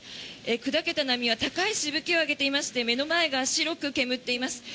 砕けた波は高いしぶきを上げていまして目の前が白く煙っています。